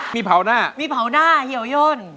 มีเผาหน้าเหี่ยวย้น